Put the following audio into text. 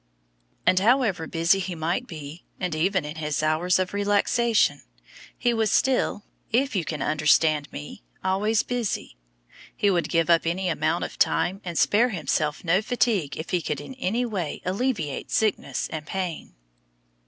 And however busy he might be, and even in his hours of relaxation, he was still, if you can understand me, always busy; he would give up any amount of time and spare himself no fatigue if he could in any way alleviate sickness and pain.